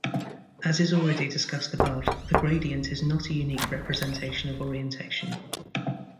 As is already discussed above the gradient is not a unique representation of orientation.